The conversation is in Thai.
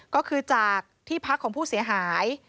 ก็คือจากที่พักของผู้เสียหาย